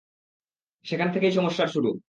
সেখান থেকেই সমস্যার শুরু।